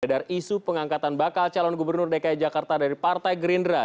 sekedar isu pengangkatan bakal calon gubernur dki jakarta dari partai gerindra